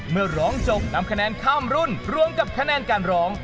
เมื่อร้องจบนำคะแนนข้ามรุ่นรวมกับคะแนนการร้อง